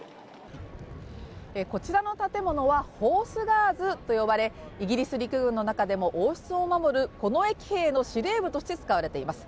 こちらの建物はホースガーズと呼ばれイギリス陸軍の中でも王室を守る近衛騎兵の司令部として使われています。